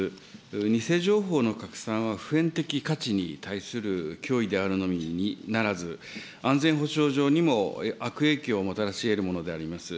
偽情報の拡散は普遍的価値に対する脅威であるのみならず、安全保障上にも悪影響をもたらしえるものであります。